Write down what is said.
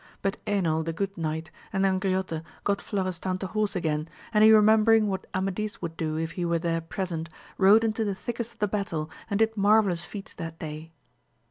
But Enil the good knight and Angriote got Florestan to horse again, and he remem bering what Amadis would do if he were there present, rode into the thickest of the battle, and did marvellous feats that day.